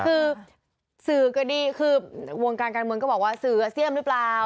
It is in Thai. คือสื่อก็ดีคือวงการการเมืองก็บอกว่าสื่ออาเซียมหรือเปล่า